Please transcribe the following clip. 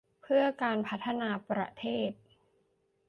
เพื่อการพัฒนาประเทศ